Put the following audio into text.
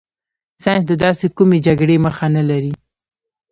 ساینس د داسې کومې جګړې مخه نه لري.